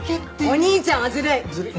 お兄ちゃんはずるい！